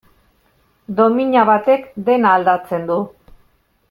Domina batek dena aldatzen du.